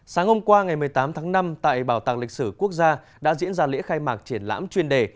sáng hôm qua ngày một mươi tám tháng năm tại bảo tàng lịch sử quốc gia đã diễn ra lễ khai mạc triển lãm chuyên đề